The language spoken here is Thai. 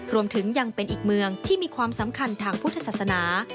รวมถึงยังเป็นอีกเมืองที่มีความสำคัญทางพุทธศาสนา